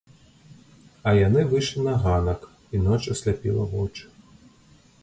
А яны выйшлі на ганак, і ноч асляпіла вочы.